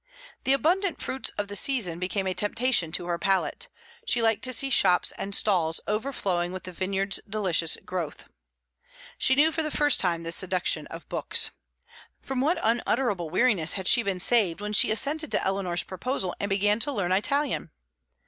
The abundant fruits of the season became a temptation to her palate; she liked to see shops and stalls overflowing with the vineyard's delicious growth. She knew for the first time the seduction of books. From what unutterable weariness had she been saved when she assented to Eleanor's proposal and began to learn Italian!